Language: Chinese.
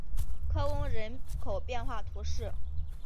科翁人口变化图示